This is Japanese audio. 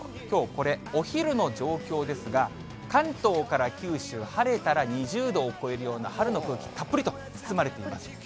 きょう、これお昼の状況ですが、関東から九州、晴れたら２０度を超えるような春の空気たっぷりと包まれています。